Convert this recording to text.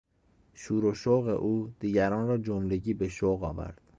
شور و شوق او دیگران را جملگی به شوق آورد.